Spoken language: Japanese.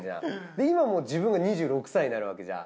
で今もう自分が２６歳になるわけじゃん。